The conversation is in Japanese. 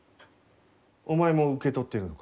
お前も受け取っているのか？